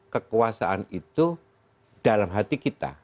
kekuasaan itu dalam hati kita